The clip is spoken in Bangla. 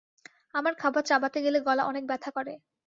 আমার খাবার চাবাতে গেলে গলা অনেক ব্যথা করে।